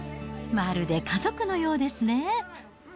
まるで家族のようですね。